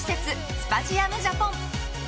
スパジアムジャポン。